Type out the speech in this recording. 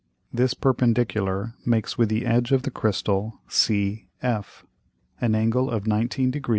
This perpendicular makes with the edge of the Crystal CF, an Angle of 19 Degr.